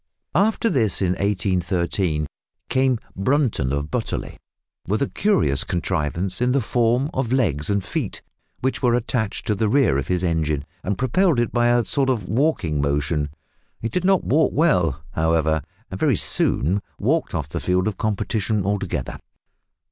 After this, in 1813, came Brunton of Butterley, with a curious contrivance in the form of legs and feet, which were attached to the rear of his engine and propelled it by a sort of walking motion. It did not walk well, however, and very soon walked off the field of competition altogether.